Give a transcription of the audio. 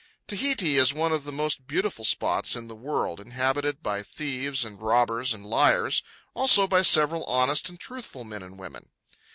Tahiti is one of the most beautiful spots in the world, inhabited by thieves and robbers and liars, also by several honest and truthful men and women.